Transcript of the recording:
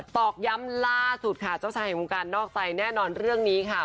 ตอกย้ำล่าสุดค่ะเจ้าชายแห่งวงการนอกใจแน่นอนเรื่องนี้ค่ะ